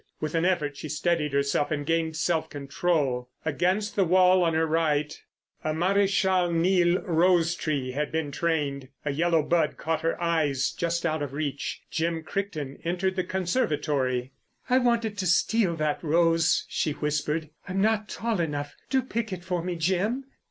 With an effort she steadied herself and gained self control. Against the wall on her right a Maréchal Niel rose tree had been trained. A yellow bud caught her eyes just out of reach. Jim Crichton entered the conservatory. "I wanted to steal that rose," she whispered. "I'm not tall enough. Do pick it for me, Jim."